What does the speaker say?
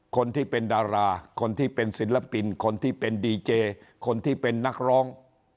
คนที่เป็นดาราคนที่เป็นศิลปินคนที่เป็นดีเจคนที่เป็นนักร้อง